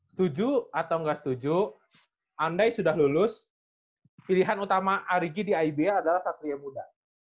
setuju atau nggak setuju andai sudah lulus pilihan utama arigi di ibl adalah satria muda